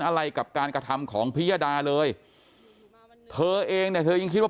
อะไรกับการกระทำของพิยดาเลยเธอเองเนี่ยเธอยังคิดว่า